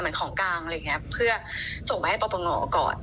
ของกลางอะไรอย่างนี้เพื่อส่งไปให้ปปงก่อน